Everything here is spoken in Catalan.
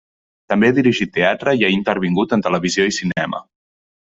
També ha dirigit teatre, i ha intervingut en televisió i cinema.